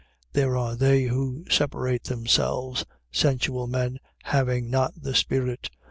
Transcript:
1:19. These are they who separate themselves, sensual men, having not the Spirit.